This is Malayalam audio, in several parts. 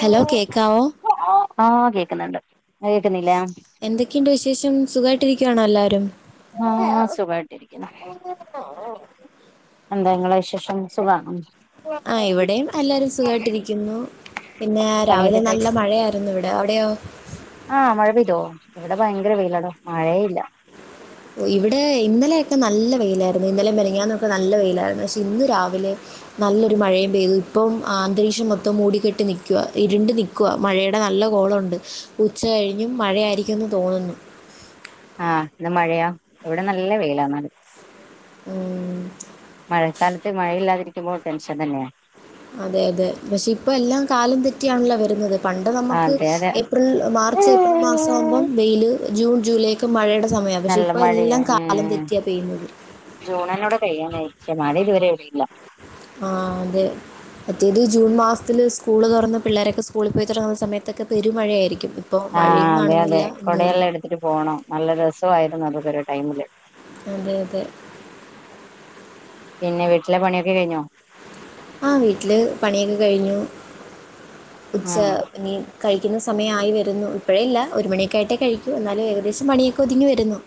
ഹലോ കേക്കാവോ ആഹ് കേക്ക്ന്ന്ണ്ട് ഇങ്ങക്ക് കേക്കുന്നില്ലേ എന്തൊക്കെയുണ്ട് വിശേഷം സുഖായിട്ടിരിക്കുവാണോ എല്ലാരും ആഹ് സുഖായിട്ടിരിക്കുന്നു എന്താ ഇങ്ങളെ വിശേഷം സുഖാണോ? ആഹ് ഇവിടേം ആഹ് എല്ലാരും സുഖായിട്ടിരിക്കുന്നു പിന്നെ രാവിലെ പണിയൊക്കെ കഴി നല്ല മഴയായിരുന്നു ഇവിടെ അവിടെയോ? ആഹ് മഴ പെയ്തോ ഇവിടെ ഭയങ്കര വെയിലാടോ മഴേ ഇല്ലാ ഓ ഇവിടെ ഇന്നലെയൊക്കെ നല്ല വെയിലായിരുന്നു ഇന്നലെ മെനങ്ങാന്നൊക്കെ നല്ല വെയിലായിരുന്നു പക്ഷെ ഇന്ന് രാവിലെ നല്ലൊരു മഴയും പെയ്തു ഇപ്പം അ അന്തരീക്ഷം മൊത്തം മൂടിക്കെട്ടി നിക്കുവാ ഇരുണ്ട് നിക് ക്കുവാ മഴേടെ നല്ല കോളൊണ്ട് ഉച്ചകഴിഞ്ഞും മഴയായിരിക്കുവെന്ന് തോനുന്നു. ആഹ് ഇന്ന് മഴയാ ഇവിടെ നല്ല വെയിലാ എന്നാല് ഉം മഴക്കാലത്ത് മഴയില്ലാതിരിക്കുമ്പോൾ ടെൻഷൻ തന്നെയാണ്. അതെ അതെ. പക്ഷെ ഇപ്പൊ എല്ലാം കാലം തെറ്റിയാണല്ലോ വരുന്നത്. പണ്ട് നമുക്ക് അതെ അതെ ഏപ്രിൽ മാർച്ച്, ഏപ്രിൽ മാസാവുമ്പം വെയില്, ജൂൺ ജൂലൈ മാസത്തും മഴയുടെ സമയ. പക്ഷെ നല്ല ഇപ്പ എല്ലാം കാലം തെറ്റിയ പെയ്യുന്നത്. ജൂൺ ന്നെ ഇവിടെ കഴിയാനയി. പക്ഷെ മഴ ഇതുവരെ കിട്ടിയില്ല. അ, അതെ. മറ്റേത് ജൂൺ മാസത്തിൽ സ്കൂള് തുറന്ന്, പിള്ളേരൊക്കെ സ്കൂളിൽ പോയി തുടങ്ങുന്ന സമയത്തൊക്കെ പെരുമഴയായിരിക്കും. ഇപ്പൊ മഴയും കാണുന്നില്ല. ഒന്നുംല്ല. ത്തി പോണം നല്ല രസമായിരുന്നു. അതക്കൊ ഒരു ടൈമില്. അതെ, അതെ. പിന്നെ വീട്ടിലെ പണി ഒക്കെ കയ്ഞ്ഞോ? ആ, വീട്ടിൽ പണിയൊക്കെ കഴിഞ്ഞു. ഉച്ച ആഹ് ഇനി കഴിക്കുന്ന സമയമായി വരുന്നു. ഇപ്പോഴേ ഇല്ല. ഒരു മണിയൊക്കായിട്ടേ കഴിക്കു. എന്നാലും ഏകദേശം പണിയൊക്കെ ഒതുങ്ങി വരുന്നു.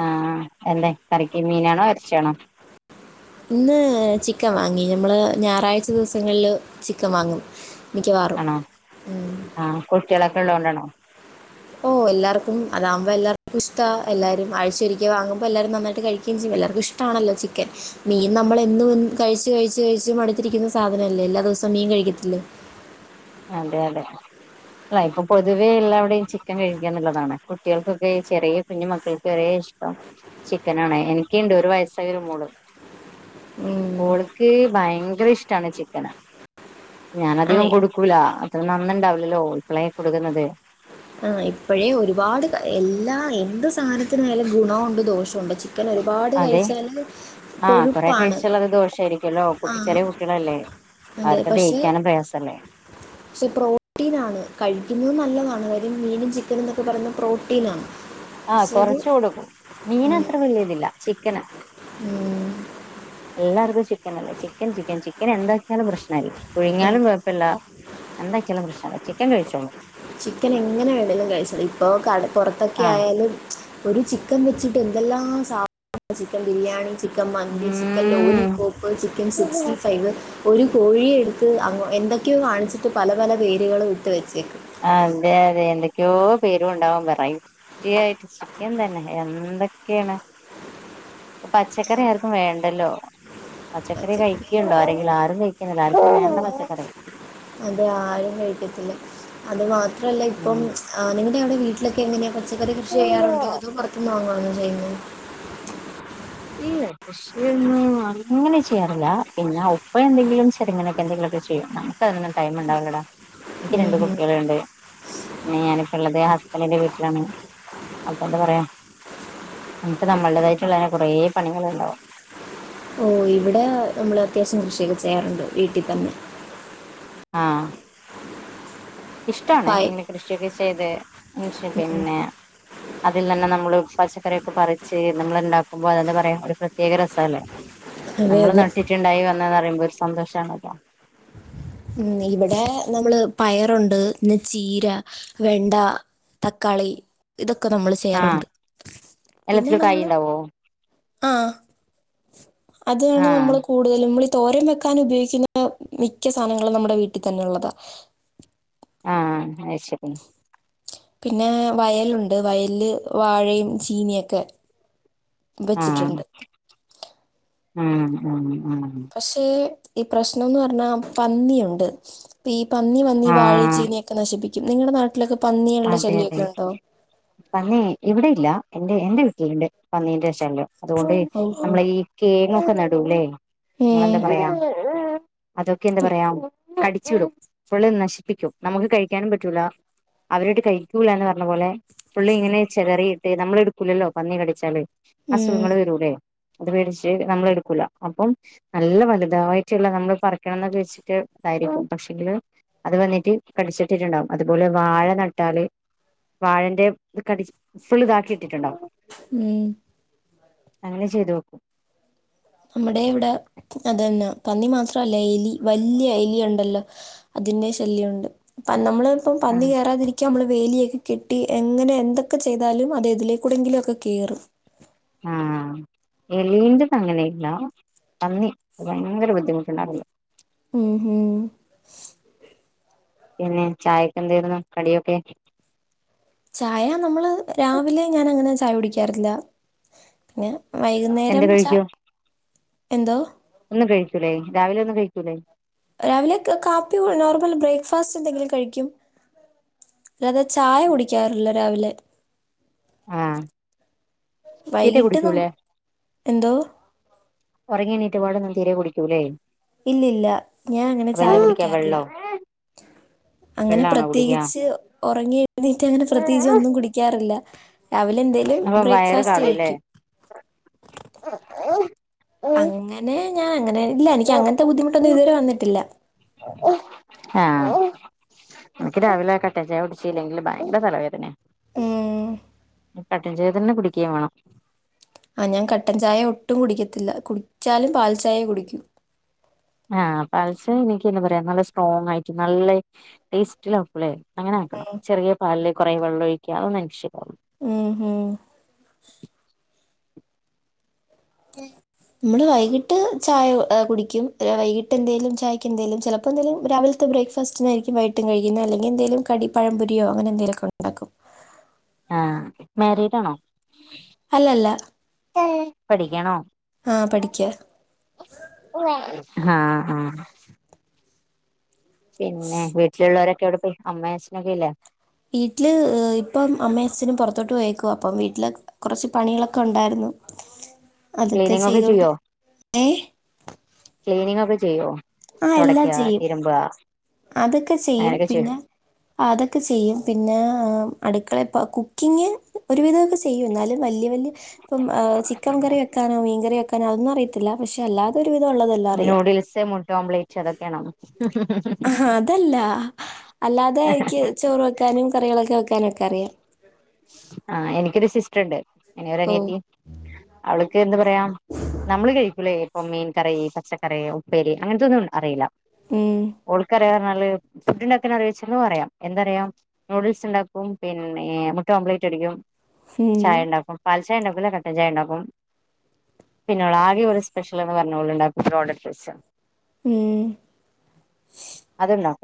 ആ, എന്താ കറിക്ക് മീനാണോ ഇറച്ചിയാണോ? ഇന്ന് ചിക്കൻ വാങ്ങി. ഞമ്മള് ഞായറാഴ്ച ദിവസങ്ങളില് ചിക്കൻ വാങ്ങും. മിക്കവാറും ആണോ, ആ, കുട്ടികൾഒക്കെ ഇള്ളോണ്ടാണൊ. ഓ, എല്ലാർക്കും അതകുമ്പോ എല്ലർക്കും ഇഷ്ട. എല്ലാരും ആഴ്ച ഒരിക്ക വാങ്ങുമ്പോ എല്ലാവരും നന്നായിട്ട് കഴിക്കുകയും ചെയ്യും. എല്ലർക്കും ഇഷ്ട ഇഷ്ട്ടാണല്ലോ, ചിക്കൻ മീൻ നമ്മളെന്നും കഴിച്ച് കഴിച്ച് കഴിച്ച് മട്ത്തിരിക്ക്‌ന്ന സാധനല്ലേ, എല്ലാ ദിവസവും മീൻ കഴി ഇതില്ലേ [unintelligible] അതെ, അതെ. അല്ല, ഇപ്പൊ പൊതുവെ എല്ലാവ്ടെയും ചിക്കൻ കഴിക്കാന്ന്ള്ളതാണ്. കുട്ടികൾക്കൊക്കെ ചെറിയ കുഞ്ഞു മക്കൾക്ക് വരേ ഇഷ്ട്ടാ ചിക്കനാണെ. എനിക്ക്‌ണ്ട് ഒര് വയസായ ഒരു മോള് ഉം. ഓൾക്ക് ഭയങ്കര ഇഷ്ട്ടാണ് ചിക്കന ആ ഞാനധികം ഇ- കൊടു കൊടു ക്കൂല നന്ന്ണ്ടാവില്ലല്ലോ. ഇപ്പളെ കൊട്ക്ക്‌ന്നത് അ, ഇപ്പഴേ ഒര്പാട് എല്ലാ എന്ത് സാധ നത്തിനാലും ഗുണേംഒണ്ട് ദോഷേംഒണ്ട് ചി അതെ, ആ, കൊറേ കൊഴുപ്പാണ് കഴിച്ചാലാത്‌ ദോഷാരിക്കുവല്ലോ. കുട്ടി, ചെറിയകുട്ടികളല്ലേ? അതെ അവർക്ക് പക്ഷേ ദഹിക്കാനും പ്രായാസല്ലേ? പക്ഷെ പ്രോട്ടീനാണ് കഴിക്ക്‌ന്നതും നല്ലതാണ് ഈ മീനും ചിക്കനുംന്നൊക്കെ പറയ്ന്നത് പ്രോട്ടീനാ ആ, കൊറച്ച് കൊട്ക്കും. മീൻ അത്രവല്ല്യയിതില്ല. ചിക്കനാ എല്ലാർക്കും ചിക്കനല്ലേ. ചിക്കൻ ചിക്കൻ ചിക്കനെന്താക്കിയാലും പ്രശ്നല്ല. പുഴുങ്ങിയാലും കൊഴപ്പല്ല. എന്താക്കിയാലും പ്രശ്നംല്ല. ചിക്കൻ കഴിച്ചോളും ചിക്കൻ എങ്ങനെ വേണെലും കഴിച്ചോളും. ഇപ്പൊ കട ആഹ് പൊറത്തൊക്കെയായാലും ഒരു ചിക്കൻ വെച്ചിട്ട് എന്തെല്ലാം സാധനങ്ങളാ ചിക്കൻ ബിരിയാണി, ചിക്കൻ മന്തി, ചിക്കൻ ഉം ലോലിപോപ്പ്, ചിക്കൻ സിക്സ്റ്റി ഫൈവ്, ഒര് കോഴിയെ എട്ത്ത് അങ്ങ് എന്തൊക്കെയോ കാണിച്ചിട്ട് പല പല പേരുകളുംഇട്ട് വെച്ചേ അതെ, അതെ എന്തൊക്കെയോ പേരുവൊണ്ടാവും വെറയ് വേറാറ്റിയയിട്ട് ചിക്കൻ തന്നെ എന്തൊക്കെയാണ്? പച്ചക്കറി ആർക്കും വേണ്ടല്ലോ പച്ചക്കറി കഴിക്ക്‌ണ്ടോ, ആരെങ്കിലും ആരും കഴിക്ക്‌ന്നില്ല. ആർക്കും വേണ്ട പച്ചക്കറി. അതെ ആരും കഴിക്കത്തില്ല. അത് മാത്രല്ല ഇപ്പം നിങ്ങളുടെ അവ്ടെ വീട്ടിലൊക്കെയെങ്ങനെയാ പച്ചക്കറി കൃഷി ചെയ്യാറൊണ്ടോ? ഉം അതോ പൊറത്തുന്ന് വാങ്ങണോ ചെയ്യുന്നേ? ഇല്ലേ. കൃഷിയൊന്നും അങ്ങനെ ചെയ്യാറില്ല. എന്ന ഉപ്പ എന്തെങ്കിലും ചെറ്ങ്ങനെ എന്തെങ്കിലൊക്കെചെയ്യും. നമ്മുക്കതിനൊന്നും ടൈംമൊണ്ടാവില്ലടാ എനിക്ക് ഉം. രണ്ട്കുട്ടികള്ണ്ട് പിന്നെ ഞാനിപ്പള്ളത് ഹസ്ബന്റിന്റെ വീട്ടിലാണ് അപ്പ എന്താ പറയാ നമ്മക്ക് നമ്മൾടേതയിട്ട്ള്ള കൊറേ പണികള്ണ്ടാവും. ഓഹ് ഇവിടെ നമ്മള് അത്യാവശ്യം കൃഷിയൊക്കെ ചെയ്യാറ്ണ്ട് വീട്ടിതന്നെ ആഹ് ഇഷ്ട്ടാണ് പയ ഇങ്ങനെ കൃഷിയൊക്കെ ചെയ്ത് [unintelligible] ഉം. പിന്നെ അതിൽ നിന്ന് നമ്മള് പച്ചക്കറിയൊക്കെ പറിച്ച് നമ്മള് ഇണ്ടാക്കുമ്പോ അതെന്താ പറയാ ഒരു പ്രത്യേക രസവല്ലേ. അതെ നമ്മള് അതെ നട്ടിട്ട്ണ്ടായി വന്നതാ പറയുമ്പോ ഒര് സന്തോഷാണ അപ്പോ ഉം ഇവ്ടെ നമ്മള് പയറൊണ്ട് പിന്നെ ചീര, വെണ്ട തക്കാളി ഇതൊക്കെ നമ്മള് ആഹ് ചെയ്യാറൊണ്ട് പിന്നെ എല്ലാത്തിലും കായ് നമ്മള് ഉണ്ടാവോ ആഹ് അത് ആണ് ആഹ് നമ്മള് കൂ ടുതലും നമ്മളീ തോരൻ വെക്കാൻ ഉപയോഗിക്കുന്ന മിക്ക സാനങ്ങളും നമ്മടെ വീട്ടിതന്നെഉള്ളതാ. ആഹ് അത് ശെരി. പിന്നെ വയലൊണ്ട് വയലില് വാഴയും ചീനിയൊക്കെ. ആഹ് വെച്ചിട്ടുണ്ട് ആഹ് ആഹ് ആഹ്. പക്ഷേ ഈ പ്രശ്നംന്ന് പറഞ്ഞാ പന്നിയൊണ്ട് ഇപ്പൊ ഈ പന്നിവന്ന് ഈ വാഴേം ആഹ് ചീനിയൊക്കെ നശിപ്പിക്കും നിങ്ങടെ നാട്ടിലൊക്കെ പന്നികൾടെ അതെ അതെ ശല്യംവൊക്കെ ഒണ്ടോ? പന്നി ഇവ്ടെ ഇല്ല എന്റെ എന്റെ വീട്ടില്ണ്ട് പന്നീന്റെ ശല്യം അതുകൊണ്ട് ഓ ഓ നമ്മളെ ഈ കേങ്ങൊക്കെ നടൂലേ ഉം, ഇങ്ങളെന്താ പറയാ അതൊക്കെ എന്താ പറയാ കടിച്ചിടും ഫുള്ള് നശിപ്പിക്കും നമുക്ക് കഴിക്കാനും പറ്റൂല അവരൊട്ട് കഴിക്കൂല്ലാന്ന് പറഞ്ഞപോലെ ഫുള്ള് ഇങ്ങനെ ചെതയിറിട്ട് നമ്മള് എട്ക്കൂല്ലല്ലോ പന്നി കടിച്ചാല്. ഉം, അസുഖങ്ങള് വരൂല്ലേ അത് പേടിച്ച് നമ്മളെ എടുക്കൂല അപ്പം. നല്ല വലുതായിട്ട്ള്ള നമ്മള് പറിക്കണം എന്നൊക്കെ വച്ചിട്ട് ഇതായിരിക്കും പക്ഷെങ്കില്. അത് വന്നിട്ട് കടിച്ചിട്ടിട്ടുണ്ടാവും അതുപോലെ വാഴ നട്ടാല് വാഴന്റെ ഇത് കടി ഫുൾ ഇതാക്കി ഇട്ടിട്ടുണ്ടാവും. ഉം. അങ്ങനെ ചെയ്തു. നമ്മുടെ ഇവിടെ അതെന്നാ പന്നി മാത്രല്ല എലി വല്ല്യ എലി ഒണ്ടല്ലോ? അതിന്റെ ശല്യുണ്ട് അപ്പ നമ്മള് ഇപ്പം ആ പന്നി കേറാതിരി ക്കാൻ നമ്മള് വേലിയൊക്കെ കെട്ടി എങ്ങനെ എന്തൊക്കെ ചെയ്താലും അത് എതിലേക്കൂടെങ്കിലും ഒക്കെ കേറും. ആഹ് എലീന്റെത് അങ്ങനെ ഇല്ല പന്നി ഭയങ്കര ബുദ്ധിമുട്ട്ണ്ടാക്കുന്നു ഉം ഉം. പിന്നെ ചായെക്കെ എന്തേരുന്നു കടിയൊക്കെ? ചായ നമ്മള് രാവിലെ ഞാൻ അങ്ങനെ ചായ കുടിക്കാറില്ല പിന്നെ. എന്ത് വൈകുന്നേരം ചാ കഴിക്കൂ എന്തോ? ഒന്നും കഴിക്കൂലേ? രാവിലെ ഒന്നും കഴിക്കൂല്ലേ? രാവിലെ കാ കാപ്പിയോ നോർമൽ ബ്രേക്ക്ഫാസ്റ്റ് എന്തെങ്കിലും കഴിക്കും. അല്ലാതെ ചായ കുടിക്കാറില്ല രാവിലെ. ആഹ് തീരെ വൈകിട്ട് ന കുടിക്കൂലേ? എന്തോ ഉറങ്ങി എണീറ്റപാടൊന്നും തീരെ കുടിക്കൂല്ലേ? ഇല്ല ഇല്ല ഞാൻ അങ്ങനെ ചായ കുടിക്കാ കുടിക്കാറില്ല. വെള്ളോ അങ്ങനെ വെള്ളാണോ കുടിക്കാ പ്രത്യേകിച്ച് ഒറങ്ങി. എണീറ്റ അങ്ങനെ പ്രത്യേകിച്ച് ഒന്നും കുടിക്കാറില്ല രാവിലെ എന്തേലും അപ്പൊ വയറ് ബ്രേക്ക്ഫാസ്റ്റ് കാണൂല്ലേ കഴിക്കും. [unintelligible] അങ്ങനെ ഞാൻ അങ്ങനെ, ഇല്ല എനിക്ക് അങ്ങനത്തെ ബുദ്ധിമുട്ടൊന്നും ഇതുവരെ വന്നിട്ടില്ല. ആഹ് എനിക്ക് രാവിലെ കട്ട ചായ കുടിച്ചില്ലെങ്കില് ഭയങ്കര തലവേദന. ഉം കട്ടൻ ചായ തന്നെ കുടിക്കേ വേണം. ആ ഞാൻ കട്ടൻ ചായ ഒട്ടും കുടിക്കത്തില്ല കുടിച്ചാലും പാൽ ചായെ കുടിക്കൂ. ആഹ് പാൽ ചായ എനിക്ക് എന്താ പറയാ നല്ല സ്ട്രോങ് ആയിട്ടും നല്ല ടേസ്റ്റിലോ. ലെ അങ്ങനെ ആക്കണം ചെറിയ പാലിൽ കുറെ വെള്ളം ഒഴിക്ക അതൊന്നെനികിഷ്ടല്ല. ഉം ഉം [inaudible] നമ്മള് വൈകിട്ട് ചായ കുടിക്കും വൈകിട്ട് എന്തേലും ചായക്ക് എന്തേലും ചെലപ്പോ എന്തെലും രാവിലെ. ബ്രേക്ക്ഫസ്റ്റിനായിരിക്കും വൈട്ടും കഴികുന്നെ അല്ലെങ്കി എന്തെലും കടി പഴ പൊരിയോ അങ്ങെനെന്തെങ്കിലൊക്കെണ്ടാകും. ആ മാരീ ഡാണോ? അല്ലല്ല പഠിക്കണോ? ആ പഠിക്കുക ആഹ് ആഹ്- പിന്നെ വീട്ടിലുള്ളവരൊക്കെ എവിടെ പോയി അമ്മേ അച്ചനൊക്കെ ഇല്ലേ? വീട്ടില് ഇപ്പം അമ്മേ അഛനും പൊറത്തോട്ട് പോയേക്ക അപ്പം വീട്ടില്. കുറച്ച് പണികളൊക്കെ ഒണ്ടായിരുന്നു. ക്ലീനിങ്ങ് ഒക്കെ ചെയ്യോ? ഏ ക്ലീനിങ് ഒക്കെ ചെയ്യോ? ആ എല്ലാം തൊടക്കാ ചെയ്യും തിരുമ്പാ അതൊക്കെ ചെയ്യും പിന്നെ. അതൊക്കെ ചെയ്യും പിന്നെ അടുക്കളെ ഇപ്പ കുക്കിംഗ് ഒരുവിധൊ. ചെയ്യും എന്നാലും വല്ല്യ വല്ല്യ ഇപ്പം ചിക്കൻ കറി വെക്കാനോ മീൻകറി വെക്കാനോ അതൊന്നും അിയത്തില്ല. പക്ഷേ അല്ലാതൊരു വിധംള്ളതല്ല. ന്യൂഡിൽസ് മുട്ട ഓംലേറ്റ് അതൊക്കെയാണോ? ആ അതല്ല അല്ലാതെ എനിക്ക് ചോറ് വെക്കാനും കറികളൊക്കെ വെക്കാനും ഒക്കെ അറിയാം. ആ എനിക്കൊരു സിസ്റ്റർണ്ട് ഇനിയൊരു ഓ അനിയത്തി അവൾക്ക് എന്ത് പറയാം നമ്മള് കഴിക്കൂലേ ഇപ്പൊ മീൻ കറി പച്ചക്കറി ഉപ്പേരി അങ്ങനത്തൊന്നും അറിയില്ല ഉം ഓൾക്ക് അറിയ പറഞ്ഞാല്ഫുഡ് ഉണ്ടാക്കാനറിയോ അറിയാം എന്തറിയാം നൂഡിൽസ് ഉണ്ടാക്കും പിന്നെ മുട്ട ഓംപ്ലേറ്റ് അടിക്കും ഉം ചായ ഉണ്ടാക്കും പാൽചായ ഉണ്ടാക്കൂല കട്ടൻ ചായ ഉണ്ടാക്കും പിന്നെ ആകെ ഒരു സ്പെഷൽ എന്ന് പറഞ്ഞ ഓള് ഉണ്ടാക്കും റോഡൻ ഫ്രഷ് ഉം അതുണ്ടാക്കും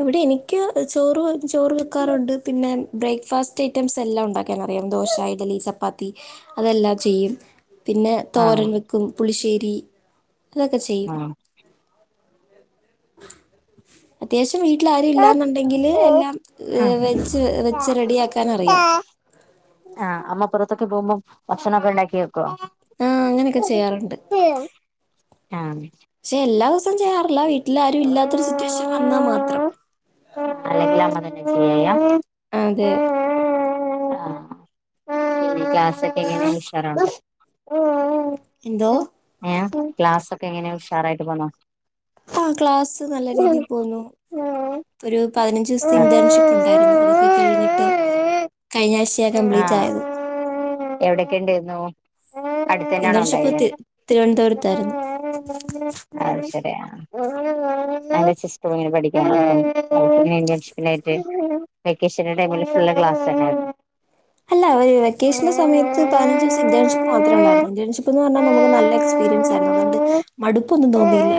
ഇവിടെ എനിക്ക് ചോറ് ചോറ് വെക്കാറുണ്ട് പിന്നെ ബ്രേക്ക്ഫാസ്റ്റ് ഐറ്റംസ് എല്ലാം ഉണ്ടാക്കാൻ അറിയാം ദോശ ഇഡ്ലി ചപ്പാത്തി അതെല്ലാം ചെയ്യും പിന്നെ ആഹ് തോരൻ വെക്കും പുളിശ്ശേരി അതൊക്കെ ചെയ്യും ആഹ് അത്യാവശ്യം വീട്ടിൽ ആരും ഇല്ലെന്നുണ്ടെങ്കിൽ ഉം എല്ലാം വെച്ച് വെച്ച് റെഡിയാക്കാൻ അറിയാം ആ അമ്മ പൊറത്തൊക്കെ പോകുമ്പോ ഭക്ഷണം ഒക്കെ ഉണ്ടാക്കി വെക്കുവോ ആ അങ്ങനെയൊക്കെ ചെയ്യാറുണ്ട് പക്ഷെ എല്ലാ ദിവസവും ചെയ്യാറില്ല വീട്ട ട്ടില് ആരും ഇല്ലാത്തരു സിറ്റുവേഷൻ വന്നാൽ മാത്രം അല്ലെങ്കിൽ അമ്മ തന്നെയാ ചെയ്യയാ അതെ ക്ലാസ് ഒക്കെ എങ്ങനെ ഉഷാറാണോ എന്തോ ഏ ക്ലാസ് ഒക്കെ എങ്ങനെയാ ഉഷാറായിട്ട് പോന്നോ ആ ക്ലാസ്സ് നല്ല രീതിയിൽ പോണു ഒരു പതിനഞ്ച് ദിവസത്തെ ഇന്റേൺഷിപ്പ് ഉണ്ടായിരുന്നു അതൊക്കെ കഴിഞ്ഞിട്ട് ആഹ് കഴിഞ്ഞ ആഴ്ചയാണ് കംപ്ലീറ്റ് ആയത് എവിടെൊക്കെ ഉണ്ടന്നു അടുത്ത തന്നെയണോ ഇന്റേൺഷിപ്പ് ഉണ്ടായത് തി തിരുവനന്തപുരത്തായിരുന്നു ആയി ശരി സിസ്റ്റർ പഠിക്കാന ഇന്റൻഷിപ്പിനായിട്ട് വെക്കേഷന്റെ ടൈമിൽ ഫുള് ക്ലാസ് തന്നെയായിരുന്നു അല്ല ഒരു വെക്കേഷന്റെ സമയത്ത് പതിഞ്ച് ദിവസം ഇന്റെ മാത്രമ ഉള്ളായിരുന്നു ഇന്റേൺഷിപ്പ് എന്ന് പറഞ്ഞാൽ നമുക്ക് നല്ല എക്സ്പീരിയൻസ് ആരുന്നു അതണ്ട് മടുപ്പൊന്നും തോന്നിയില്ല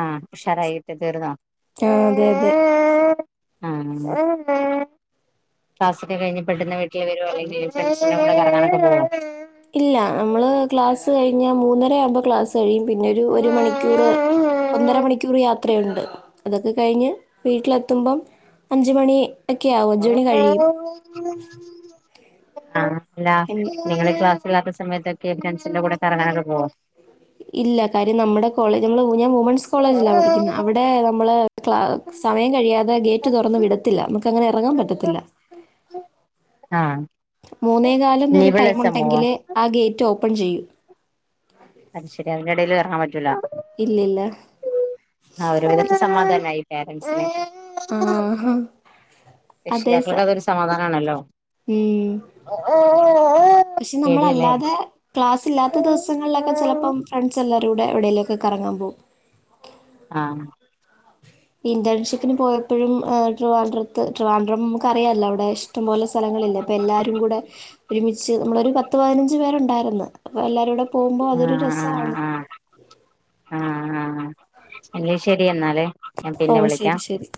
ആ ഉഷാറായിട്ട് തീർന്നോ ആ അതെ അതെ ആ ക്ലാസ് കഴിഞ്ഞ് പെട്ടെന്ന് വീട്ടിൽ വരോ അല്ലെങ്കിൽ ഫ്രണ്ട്സിന്റെ കൂടെ കറങ്ങാൻ ഒക്കെ പോവോ ഇല്ല നമ്മള് ക്ലാസ് കഴിഞ്ഞ മൂന്നര ആവുമ്പോ ക്ലാസ്സ് കഴിയും പിന്നെ ഫ്രണ്ട്സിന്റെ കൂടെ ഒരു കറങ്ങാനൊക്കെ പോവോ മണിക്കൂർ ഒന്നര മണിക്കൂർ യാത്രയുണ്ട് അതൊക്കെ കഴിഞ്ഞ് വീട്ടിലെത്തുമ്പം അഞ്ച് മണി ഒക്കെയ ആവും അഞ്ച് മണി കഴിയും [inaudible] ആഹ് അല്ല നിങ്ങൾ ക്ലാസ് ഇല്ലാത്ത സമയത്തൊക്കെ ഫ്രണ്ട്സിന്റെ കൂടെ കറങ്ങാൻ ഒക്കെ പോവോ ഇല്ല കാര്യം നമ്മുടെ കോളജ് നമ്മള് ഊ ഞാ വുമൻസ് കോളേജിലാണ് പഠിക്കുന്നത് അവിടെ നമ്മള് സമയം കഴിയാതെ ഗേറ്റ് തുറന്ന് വിടു പറ്റത്തില്ല നമക്ക് അങ്ങനെ ഇറങ്ങാൻ പറ്റത്തില്ല ആ മുന്നാ കാല് ഒരു ടൈമ ഉണ്ടെങ്കില് ആ ഗേറ്റ് ഓപ്പണ് ചെയ്യൂ അത് ശരി അതിന്റെടയിൽ ഇറങ്ങാൻ പറ്റൂല ഇല്ലില്ല ആ ഒരു പി വിധത്തെ സമാധാനമായി പോരൻറ്സി ആഹാ. രക്ഷിതാക്കൾക്ക് അതൊരു സമാധാനമാണല്ലോ മം പക്ഷെ പേടിയല്ലേ നമ്മളല്ലാതെ ക്ലാസ് ഇല്ലാത്ത ദിവസങ്ങളിലൊക്കെ ചിലപ്പോം ഫ്രണ്ട്സ് എല്ലരും കൂടെ എവിടേലേക്കെ കറങ്ങാൻ പോകും ആഹ് ഇന്റേൺഷിപ്പിന് പോയപ്പഴും ട്രിവാൻഡ്രത്ത് ട്രിവാഡ്രം നമുക്ക് അറിയാല അവിടെ ഛ് ഇഷ്ടംപലെ സ്ഥലങ്ങളില്ലെഅപ്പ എല്ലാരും കുടെ ഒരുമിച്ച് പത്ത് പതിന ഞ്ച്പേരുണ്ടായിര്ന്ന് അപ്പ എല്ലാരും കൂടെ പോവുമ്പോ അതൊരു രസണ് ആഹ ആഹ എല്ലെശരി എന്നാലേ ഞാൻ പിന്നെ വിളിക്കാം ഓശരി ശരി